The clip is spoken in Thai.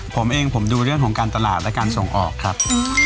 ผมเองผมดูเรื่องของการตลาดและการส่งออกครับ